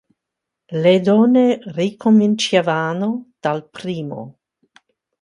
Le donne ricominciavano dal primo.